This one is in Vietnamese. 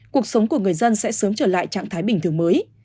cuộc sống của người dân sẽ sớm trở lại trạng thái bình thường mới